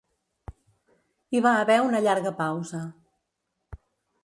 Hi va haver una llarga pausa.